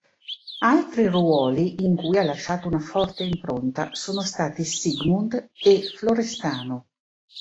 Altri ruoli in cui ha lasciato una forte impronta sono stati Siegmund e Florestano.